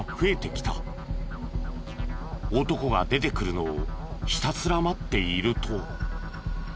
男が出てくるのをひたすら待っていると。